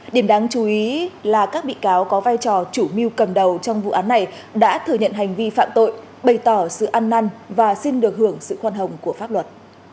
điểm đáng chú ý là các bị cáo có vai trò chủ mưu cầm đầu trong vụ án này đã thừa nhận hành vi phạm tội bày tỏ sự ăn năn và xin được hưởng sự khoan hồng của pháp luật